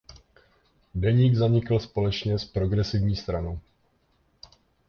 Deník zanikl společně z Progresivní stranou.